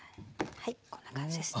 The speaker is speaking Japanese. はいこんな感じですね。